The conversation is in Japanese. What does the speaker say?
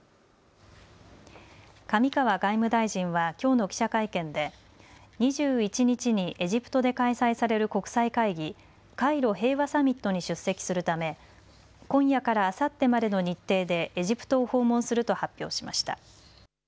上川外務大臣はきょうの記者会見で２１日にエジプトで開催される国際会議、カイロ平和サミットに出席するため今夜からあさってまでの日程でエジプトを訪問すると発表しました。